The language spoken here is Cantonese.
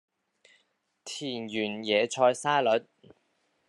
田園野菜沙律